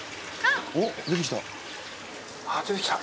あっ出てきた。